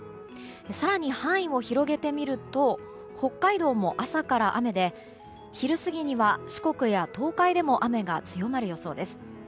更に、範囲を広げてみると北海道も朝から雨で昼過ぎには四国や東海でも雨が強まる予想です。